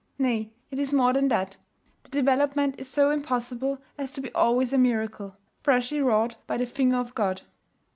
Nay, it is more than that. The development is so impossible as to be always a miracle, freshly wrought by the finger of God.